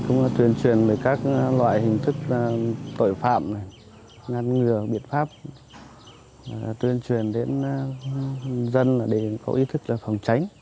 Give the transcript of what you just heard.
đây cũng là tuyên truyền về các